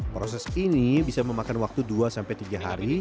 proses ini bisa memakan waktu dua sampai tiga hari